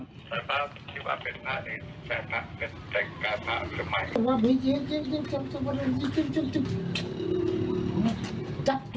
พระพระที่ว่าเป็นพระนี้พระพระเป็นใจการพระสมัย